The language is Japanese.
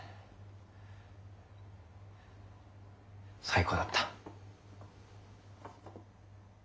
最高だった。